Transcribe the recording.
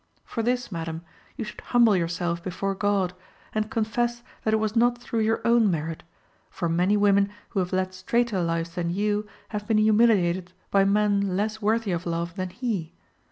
For this, madam, you should humble yourself before God, and confess that it was not through your own merit, for many women who have led straighter lives than you have been humiliated by men less worthy of love than he.